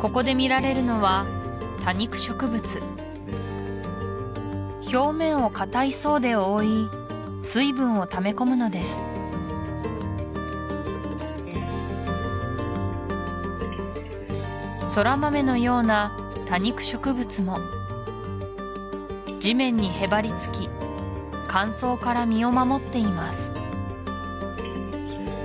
ここで見られるのは多肉植物表面をかたい層で覆い水分をため込むのですそら豆のような多肉植物も地面にへばりつき乾燥から身を守っています